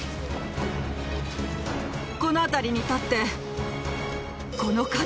この辺りに立って。